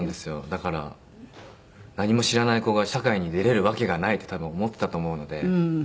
だから何も知らない子が社会に出られるわけがないって多分思ってたと思うので。